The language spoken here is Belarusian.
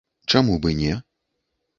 Чаму і б не?